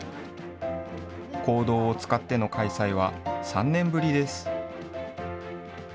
講堂を使っての開催は３年ぶりです。